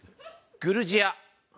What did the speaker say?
グルジア。